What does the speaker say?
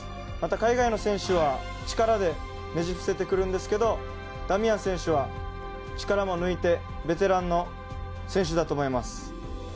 海外の選手は力でねじ伏せてくるんですがダミアン選手は力を抜いてベテランの選手だと思います。